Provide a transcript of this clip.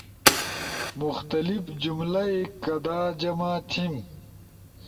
مختلف کملہ ئی کدا جمع تھیم؟